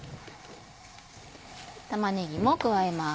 玉ねぎも加えます。